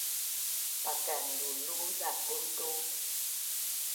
Pakanlulu zakun tu